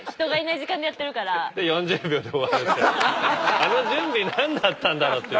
あの準備何だったんだろうっていう。